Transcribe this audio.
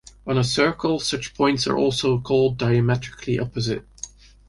On a circle, such points are also called diametrically opposite.